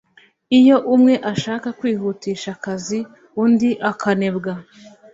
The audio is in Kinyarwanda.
iyo umwe ashaka kwihutisha akazi undi akanebwa,